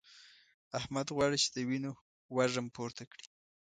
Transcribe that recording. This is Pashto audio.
احمد غواړي چې د وينو وږم پورته کړي.